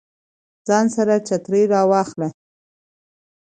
ځان سره چترۍ راواخله